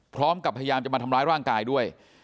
พร้อมกับพยายามจะมาทำร้ายร่างกายด้วย